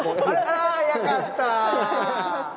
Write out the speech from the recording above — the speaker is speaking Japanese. あ早かった。